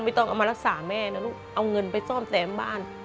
ต้องเอามารักษาแม่นะลูกเอาเงินไปซ่อมแซมบ้าน